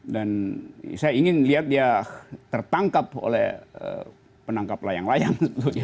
dan saya ingin lihat dia tertangkap oleh penangkap layang layang